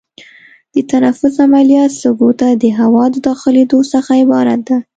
د تنفس عملیه سږو ته د هوا د داخلېدو څخه عبارت ده.